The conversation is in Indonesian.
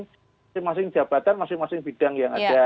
masing masing jabatan masing masing bidang yang ada